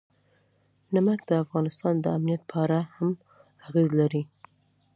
نمک د افغانستان د امنیت په اړه هم اغېز لري.